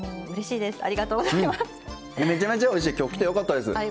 よかったです。